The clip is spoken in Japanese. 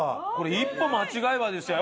一歩間違えばでしたよ